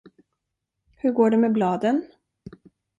Hur går det med bladen?